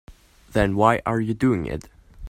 Then why are you doing it?